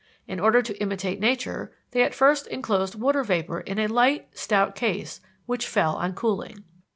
"In order to imitate nature," they at first enclosed water vapor in a light, stout case, which fell on cooling.